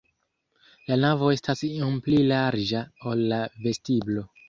La navo estas iom pli larĝa, ol la vestiblo.